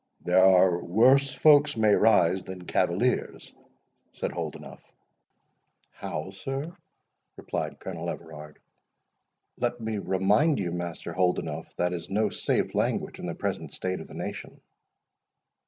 "There are worse folks may rise than cavaliers," said Holdenough. "How, sir?" replied Colonel Everard. "Let me remind you, Master Holdenough, that is no safe language in the present state of the nation."